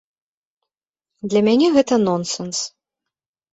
Для мяне гэта нонсэнс.